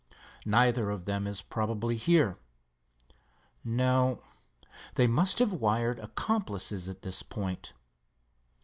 Neither of them is probably here. No, they must have wired accomplices at this point.